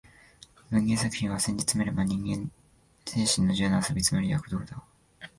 文芸作品は、せんじつめれば人間精神の自由な遊び、つまり躍動だ